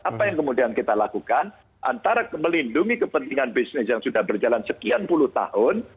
apa yang kemudian kita lakukan antara melindungi kepentingan bisnis yang sudah berjalan sekian puluh tahun